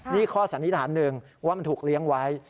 นี่ข้อสันนิษฐานหนึ่งว่ามันถูกเลี้ยงไว้